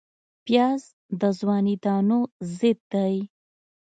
پیاز د جواني دانو ضد دی